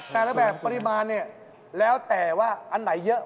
แต่ละแบบปริมาณเนี่ยแล้วแต่ว่าอันไหนเยอะ